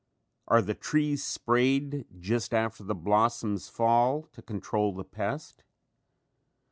Are the trees sprayed just after the blossoms fall to control the pest?